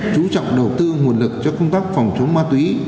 chú trọng đầu tư nguồn lực cho công tác phòng chống ma túy